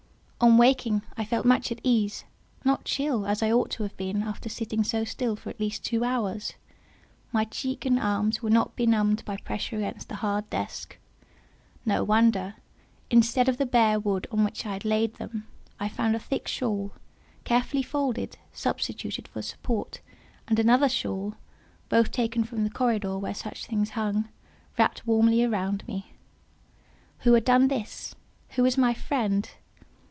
On waking, I felt much at ease—not chill, as I ought to have been after sitting so still for at least two hours; my cheek and arms were not benumbed by pressure against the hard desk. No wonder. Instead of the bare wood on which I had laid them, I found a thick shawl, carefully folded, substituted for support, and another shawl (both taken from the corridor where such things hung) wrapped warmly round me. Who had done this? Who was my friend?